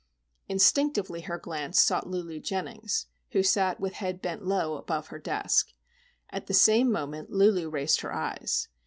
Instinctively her glance sought Lulu Jennings, who sat with head bent low above her desk. At the same moment Lulu raised her eyes.